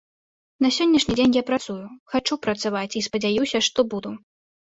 На сённяшні дзень я працую, хачу працаваць, і спадзяюся, што буду.